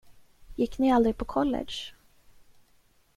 Gick ni aldrig på college?